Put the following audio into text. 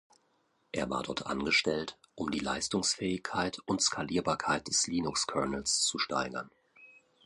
Er war dort angestellt, um die Leistungsfähigkeit und Skalierbarkeit des Linuxkernels zu steigern.